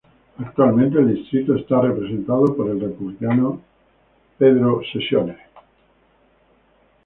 Actualmente el distrito está representado por el Republicano Pete Sessions.